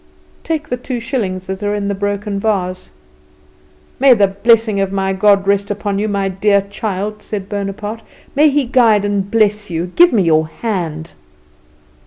"Take the two shillings that are in the broken vase." "May the blessing of my God rest upon you, my dear child," said Bonaparte; "may He guide and bless you. Give me your hand."